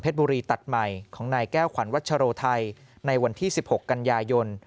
บุรีตัดใหม่ของนายแก้วขวัญวัชโรไทยในวันที่๑๖กันยายน